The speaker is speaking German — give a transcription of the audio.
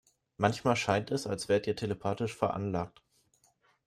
Manchmal scheint es, als wärt ihr telepathisch veranlagt.